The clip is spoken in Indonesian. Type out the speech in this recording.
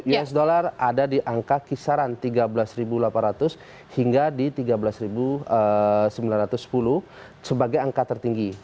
usd ada di angka kisaran tiga belas delapan ratus hingga di tiga belas sembilan ratus sepuluh sebagai angka tertinggi